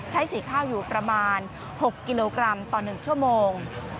สีข้าวอยู่ประมาณ๖กิโลกรัมต่อ๑ชั่วโมง